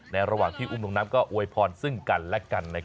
ระหว่างที่อุ้มลงน้ำก็อวยพรซึ่งกันและกัน